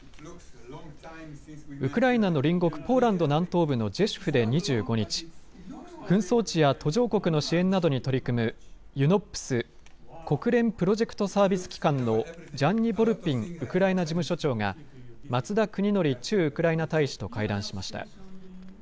ウクライナの隣国ポーランド南東部のジェシュフで２５日、紛争地や途上国の支援などに取り組むＵＮＯＰＳ・国連プロジェクトサービス機関のジャンニ・ボルピンウクライナ事務所長が松田邦紀駐ウクライナ大使と会談しました。